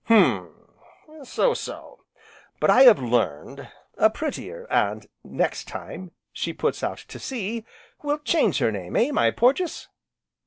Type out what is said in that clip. "Hum! so so, but I have learned a prettier, and next time she puts out to sea we'll change her name, eh, my Porges?"